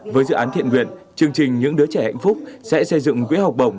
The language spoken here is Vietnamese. với dự án thiện nguyện chương trình những đứa trẻ hạnh phúc sẽ xây dựng quỹ học bổng